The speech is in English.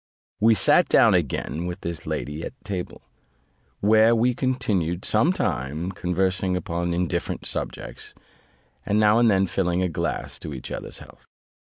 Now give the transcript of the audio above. We sat down again with this lady at table, where we continued some time, conversing upon indifferent subjects; and now and then filling a glass to each other's health.